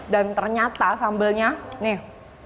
dan ternyata sambalnya nih